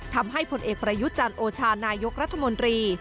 ผลเอกประยุจันทร์โอชานายกรัฐมนตรี